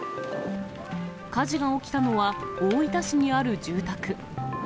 火事が起きたのは、大分市にある住宅。